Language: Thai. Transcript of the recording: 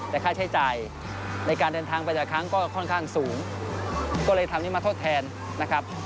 แต่ค่าใช้จ่ายในการเดินทางไปแต่ละครั้งก็ค่อนข้างสูงก็เลยทำนี้มาทดแทนนะครับ